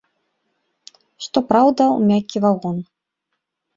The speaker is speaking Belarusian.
Што праўда, у мяккі вагон.